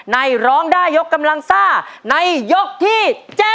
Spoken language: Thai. ร้องได้ยกกำลังซ่าในยกที่๗